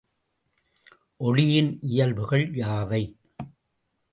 ஒளியின் இயல்புகள் யாவை?